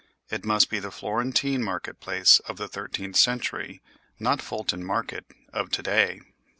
It must be the Florentine market place of the thirteenth century—not Fulton Market of to day.